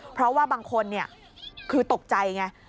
เพราะว่าบางคนคือตกใจไง